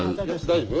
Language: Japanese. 大丈夫？